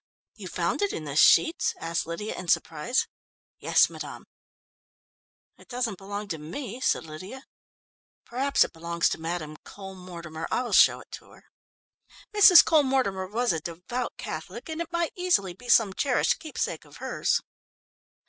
"You found it in the sheets?" asked Lydia in surprise. "Yes, madame." "It doesn't belong to me," said Lydia. "Perhaps it belongs to Madame Cole Mortimer. I will show it to her." Mrs. Cole Mortimer was a devout Catholic and it might easily be some cherished keep sake of hers.